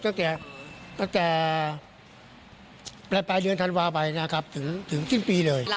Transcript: ตั้งแต่สัปดาห์ปนาทีนึงทันวาไปนะครับถึงสิ้นปีเลย